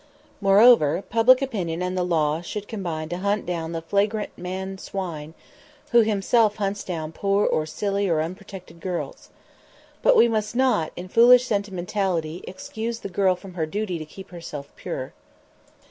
Moreover, public opinion and the law should combine to hunt down the "flagrant man swine" who himself hunts down poor or silly or unprotected girls. But we must not, in foolish sentimentality, excuse the girl from her duty to keep herself pure.